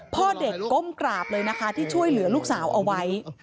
พ่อเด็กก้มกราบเลยนะคะที่ช่วยเหลือลูกสาวเอาไว้